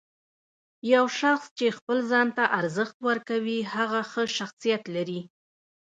یو شخص چې خپل ځان ته ارزښت ورکوي، هغه ښه شخصیت لري.